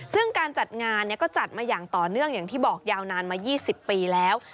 ซึ่งการจัดงานก็จัดมาอย่างต่อเนื่องอย่างที่บอกยาวนานมา๒๐ปีแล้ว